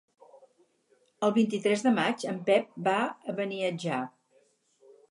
El vint-i-tres de maig en Pep va a Beniatjar.